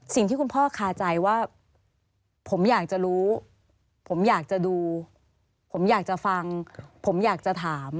สิ่งที่คุณพ่อคาใจว่าผมอยากจะรู้ผมอยากจะดูผมอยากจะฟังผมอยากจะถาม